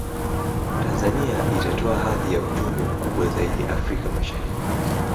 Tanzania itatwaa hadhi ya uchumi mkubwa zaidi Afrika Mashariki